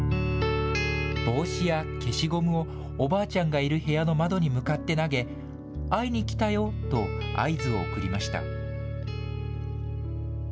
帽子や消しゴムをおばあちゃんがいる部屋の窓に向かって投げ、会いに来たよと、合図を送りました。